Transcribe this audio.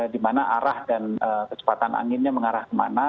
dimana arah dan kecepatan anginnya mengarah kemana